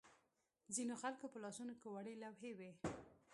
ځینو خلکو په لاسونو کې وړې لوحې وې.